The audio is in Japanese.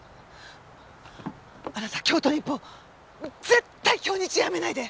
あなた京都日報絶対京日辞めないで！